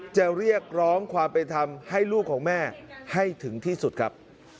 จะเรียกร้องความเป็นธรรมให้ลูกของแม่ให้ถึงที่สุดครับ